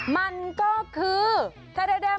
มันก็คือ